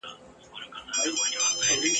زه مین پر سور او تال یم په هر تار مي زړه پېیلی !.